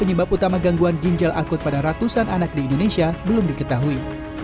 penyebab utama gangguan ginjal akut pada ratusan anak di indonesia belum diketahui